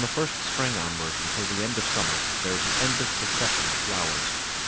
] From the spring onwards until the end of summer there is an endless succession of flowers.